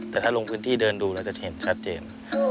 แต่ถ้าลงพื้นที่เดินดูแล้วจะเห็นชัดเจน